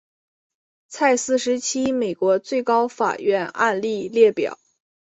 蔡斯时期美国最高法院案例列表